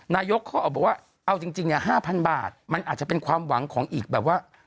นายกเขาออกบอกว่าเอาจริงเนี่ย๕๐๐บาทมันอาจจะเป็นความหวังของอีกแบบว่า